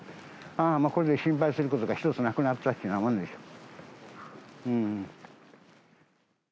これで心配することが一つなくなったっていうようなものでしょ。